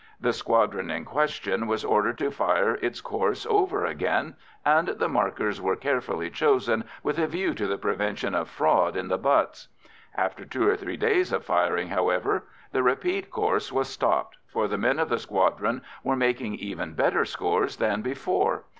The squadron in question was ordered to fire its course over again, and the markers were carefully chosen with a view to the prevention of fraud in the butts. After two or three days of firing, however, the repeat course was stopped, for the men of the squadron were making even better scores than before.